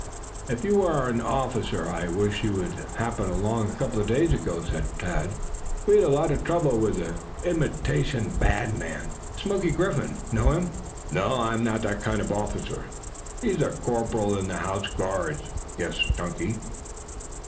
"If you are an officer I wish you had happened along a couple of days ago," said Tad. "We had a lot of trouble with an imitation bad man, Smoky Griffin. Know him?" "No. I'm not that kind of an officer." "He's a corporal in the Home Guards," guessed Chunky.